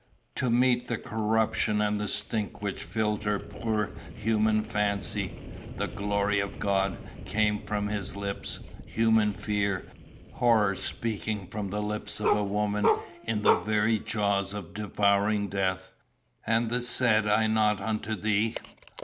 To meet the corruption and the stink which filled her poor human fancy, 'the glory of God' came from his lips: human fear; horror speaking from the lips of a woman in the very jaws of the devouring death; and the 'said I not unto thee?